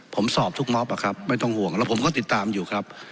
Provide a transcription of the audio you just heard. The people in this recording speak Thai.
ผมสอบทุกม็อบอะครับไม่ต้องห่วงแล้วผมก็ติดตามอยู่ครับ